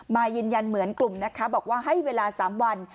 มายืนยันเหมือนกลุ่มนะคะบอกว่าให้เวลา๓วัน